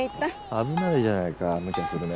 危ないじゃないかむちゃするね。